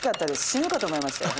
死ぬかと思いましたよ